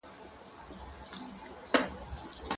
سيد محسن آغا عبدالرحمن لودين